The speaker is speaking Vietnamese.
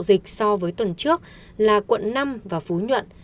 cấp độ dịch so với tuần trước là quận năm và phú nhuận